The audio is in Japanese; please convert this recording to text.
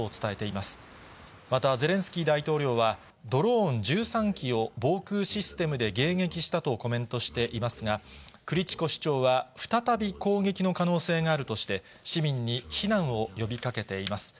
またゼレンスキー大統領は、ドローン１３機を防空システムで迎撃したとコメントしていますが、クリチコ市長は、再び攻撃の可能性があるとして、市民に避難を呼びかけています。